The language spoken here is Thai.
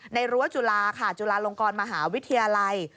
รั้วจุฬาค่ะจุฬาลงกรมหาวิทยาลัย